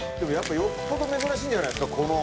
よっぽど珍しいんじゃないですか。